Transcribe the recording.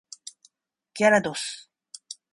ギャラドス